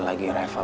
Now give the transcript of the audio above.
terima kasih pak